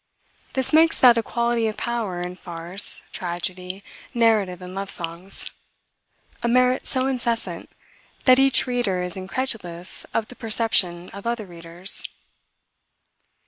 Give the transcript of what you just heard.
This makes that equality of power in farce, tragedy, narrative, and love songs; a merit so incessant, that each reader is incredulous of the perception of other readers.